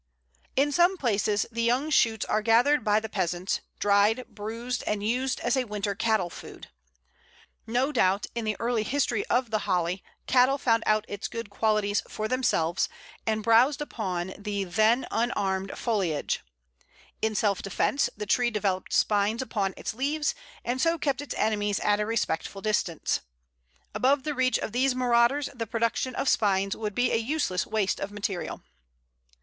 In some places the young shoots are gathered by the peasants, dried, bruised, and used as a winter cattle food. No doubt, in the early history of the Holly, cattle found out its good qualities for themselves, and browsed upon the then unarmed foliage. In self defence the tree developed spines upon its leaves, and so kept its enemies at a respectful distance. Above the reach of these marauders the production of spines would be a useless waste of material. [Illustration: Pl. 82. Flowers of Holly.